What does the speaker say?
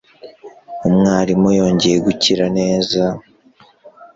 Umwarimu yongeye gukira neza.